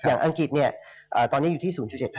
อังกฤษเนี่ยตอนนี้อยู่ที่๐๗๕